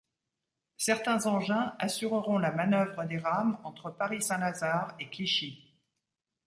Certains engins assureront la manœuvre des rames entre Paris Saint Lazare et Clichy.